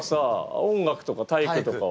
音楽とか体育とかは？